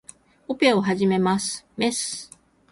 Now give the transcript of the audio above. オペを始めます。メス